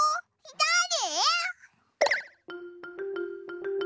だれ？